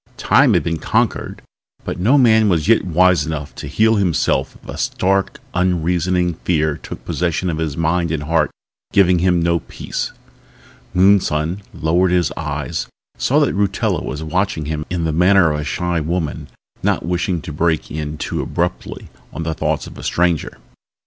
Time had been conquered but no man was yet wise enough to heal himself if a stark, unreasoning fear took possession of his mind and heart, giving him no peace. Moonson lowered his eyes, saw that Rutella was watching him in the manner of a shy woman not wishing to break in too abruptly on the thoughts of a stranger.